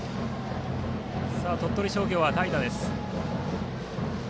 鳥取商業は代打です。